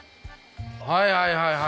はいはいはいはい。